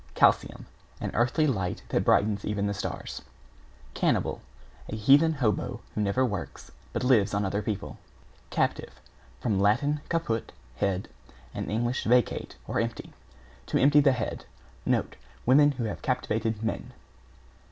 =CALCIUM= An earthly light that brightens even the stars. =CANNIBAL= A heathen hobo who never works, but lives on other people. =CAPTIVATE= From Lat. caput, head, and Eng. vacate, or empty, to empty the head. Note, Women who have captivated men.